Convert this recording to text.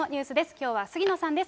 きょうは杉野さんです。